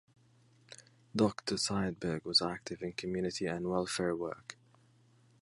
Doctor Siedeberg was active in community and welfare work.